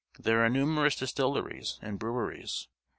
There are numerous dis tilleries and breweries.